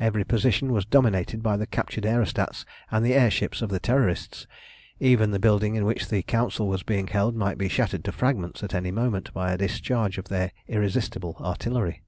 Every position was dominated by the captured aerostats and the air ships of the Terrorists. Even the building in which the council was being held might be shattered to fragments at any moment by a discharge of their irresistible artillery.